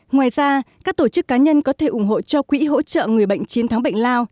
ngoài ra các tổ chức cá nhân có thể ủng hộ cho quỹ hỗ trợ người bệnh chiến thắng bệnh lao